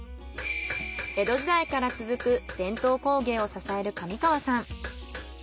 江戸時代から続く伝統工芸を支える上川さん。